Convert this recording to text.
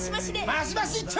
マシマシ一丁！